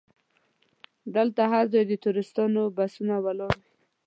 دلته هر ځای د ټوریستانو بسونه ولاړ وي.